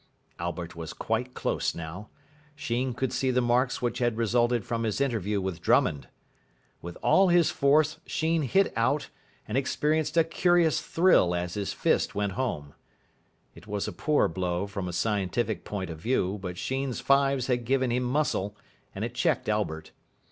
Albert was quite close now. Sheen could see the marks which had resulted from his interview with Drummond. With all his force Sheen hit out, and experienced a curious thrill as his fist went home. It was a poor blow from a scientific point of view, but Sheen's fives had given him muscle, and it checked Albert.